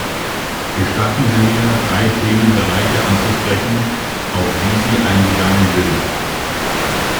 Gestatten Sie mir, drei Themenbereiche anzusprechen, auf die Sie eingegangen sind.